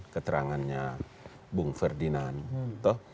keterangannya bung ferdinand